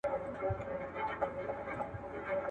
ټولنه به د پرمختګ په لور لاړه سي.